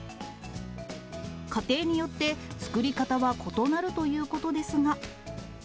家庭によって作り方は異なるということですが。